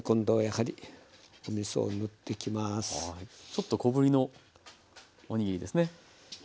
ちょっと小ぶりのおにぎりですね。